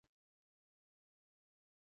هوښیار خلک له هیواد سره خیانت نه کوي.